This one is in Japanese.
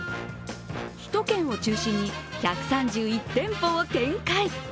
首都圏を中心に１３１店舗を展開。